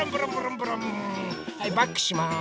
はいバックします。